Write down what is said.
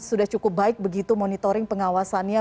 sudah cukup baik begitu monitoring pengawasannya